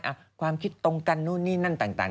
อ่ะความคิดตรงกันนู่นนี่นั่นต่าง